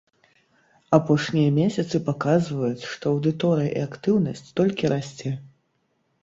Апошнія месяцы паказваюць, што аўдыторыя і актыўнасць толькі расце.